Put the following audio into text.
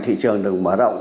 thị trường được mở rộng